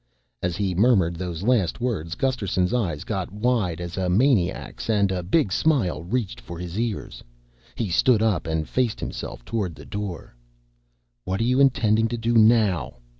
As he murmured those last words Gusterson's eyes got wide as a maniac's and a big smile reached for his ears. He stood up and faced himself toward the door. "What are you intending to do now?"